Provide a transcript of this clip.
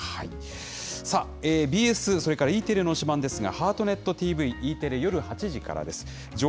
さあ、ＢＳ、それからＥテレの推しバンですが、ハートネットＴＶ、Ｅテレ、夜８時からです。